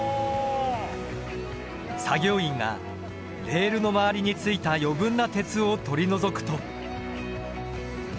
作業員がレールの周りについた余分な鉄を取り除くと。